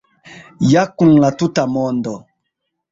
Ja kun la tuta mondo!